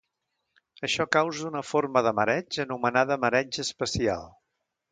Això causa una forma de mareig anomenada mareig espacial.